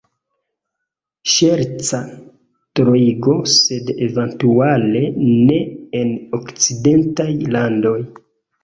Ŝerca troigo – sed eventuale ne en okcidentaj landoj.